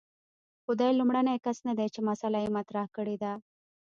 خو دی لومړنی کس نه دی چې مسأله مطرح کړې ده.